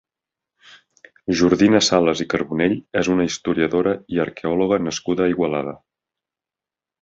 Jordina Sales i Carbonell és una historiadora i arqueòloga nascuda a Igualada.